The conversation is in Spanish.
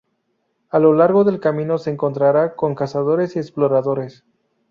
A lo largo del camino se encontrará con cazadores y exploradores.